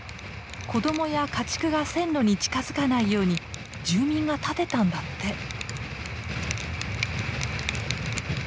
子供や家畜が線路に近づかないように住民が建てたんだって。